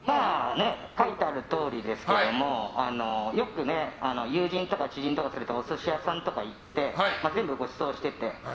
書いてあるとおりですけどもよく友人とか知人とか来るとお寿司屋さんとかに行って全部、ごちそうしてて。